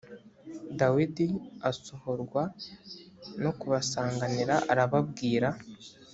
dawidi asohorwa no kubasanganira arababwira